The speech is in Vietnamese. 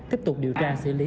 tiếp tục điều tra xử lý